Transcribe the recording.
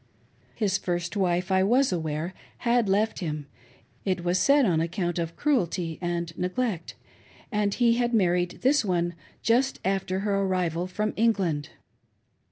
His first wife, I was aware, had left him — it was said, on account of cruelty and neglect — and he had married this one just after her arrival from England.